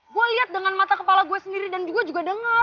gue lihat dengan mata kepala gue sendiri dan gue juga dengar